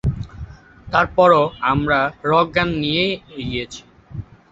তার পরও আমরা রক গান নিয়েই এগিয়েছি।